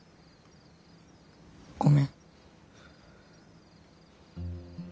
ごめん。